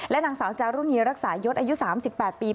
นางสาวจารุณีรักษายศอายุ๓๘ปี